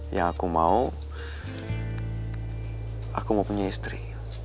yang aku mau aku mau punya istri